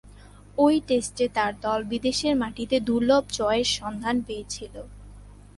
ঐ টেস্টে তার দল বিদেশের মাটিতে দুর্লভ জয়ের সন্ধান পেয়েছিল।